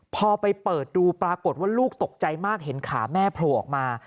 พอไปเปิดดูปรากฏว่าลูกตกใจมากเห็นขาแม่โผล่ออกมา